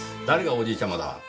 誰が「おじいちゃま」だ！